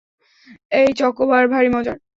এই চকোবার ভারী মজার?